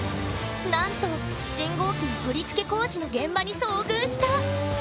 なんと信号機の取り付け工事の現場に遭遇した！